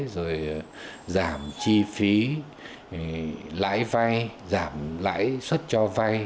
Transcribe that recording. rồi giảm chi phí lãi vay giảm lãi xuất cho